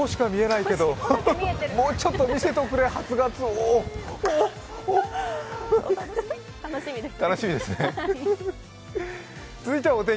尻尾しか見えないけどもうちょっと見せておくれ、初がつお楽しみですね。